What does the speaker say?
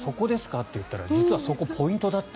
って言ったら実はそこがポイントだった。